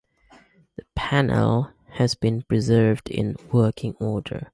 The panel has been preserved in working order.